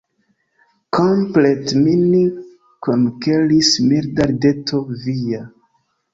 Komplete min konkeris milda rideto via.